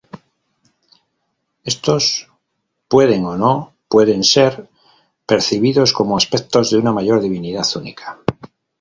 Estos pueden o no pueden ser percibidos como aspectos de una mayor divinidad única.